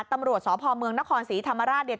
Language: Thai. ตำรวจสพเมืองนครศรีธรรมราชเนี่ย